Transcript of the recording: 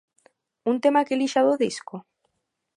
Un tema que elixa do disco?